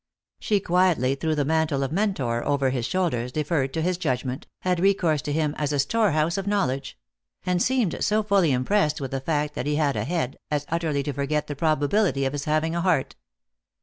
She quietly threw the mantle of Mentor over his shoulders, deferred to his judgment, had recourse to him as a store house of knowledge ; and seemed so fully impressed with the fact that he had a head, as utterly to forget the probability of his having a heart.